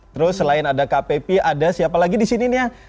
terus selain ada kpp ada siapa lagi di sini nih ya